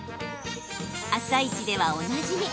「あさイチ」ではおなじみ